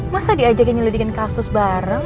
masa diajakin nyelidikan kasus bareng